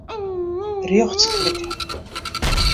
Rjochts klikke.